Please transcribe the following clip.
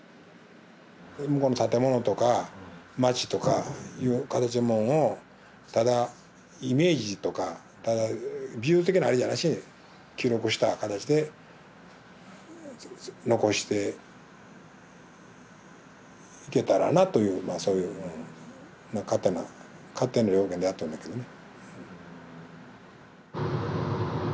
向こうの建物とか町とかいう形のもんをただイメージとかただ美術的なあれじゃなしに記録した形で残していけたらなというまあそういう勝手な勝手な了見でやっとんのやけどね